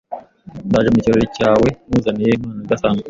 Ndaje mu kirori cyawe nkuzaniye impano idasanzwe.